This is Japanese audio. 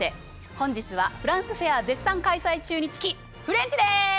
本日はフランスフェア絶賛開催中につきフレンチです！